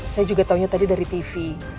saya juga taunya tadi dari tv